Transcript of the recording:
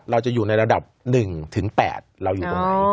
เราจะอยู่ในระดับ๑ถึง๘เราอยู่ตรงไหน